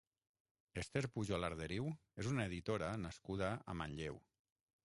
Ester Pujol Arderiu és una editora nascuda a Manlleu.